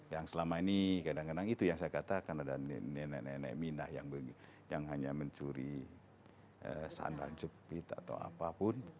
yang selama ini kadang kadang itu yang saya katakan ada nenek nenek minah yang hanya mencuri sandal jepit atau apapun